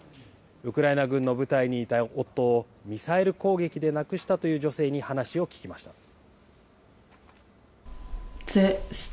ウクライナ軍の部隊にいた夫をミサイル攻撃で亡くしたという女性に話を聞きました。